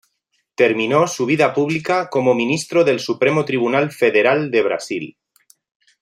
Terminó su vida pública como Ministro del Supremo Tribunal Federal de Brasil.